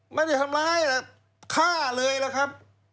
ไม่ได้ทำร้ายนะฆ่าเลยเหรอครับ